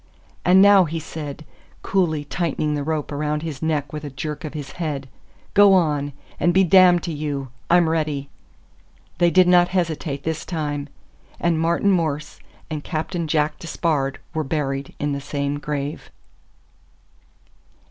"And now," he said, coolly tightening the rope around his neck with a jerk of his head "Go on, and be damned to you! I'm ready." They did not hesitate this time. And Martin Morse and Captain Jack Despard were buried in the same grave.